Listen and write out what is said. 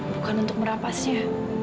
bukan untuk merapasnya